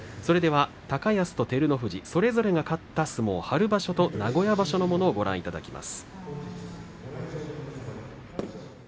高安と照ノ富士それぞれが勝った相撲春場所と名古屋場所をご覧いただきます。